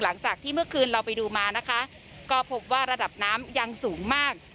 หลังจากที่เมื่อคืนเราไปดูมานะคะก็พบว่าระดับน้ำยังสูงมาก